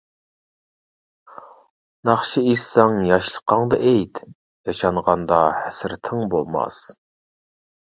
ناخشا ئېيتساڭ ياشلىقىڭدا ئېيت، ياشانغاندا ھەسرىتىڭ بولماس.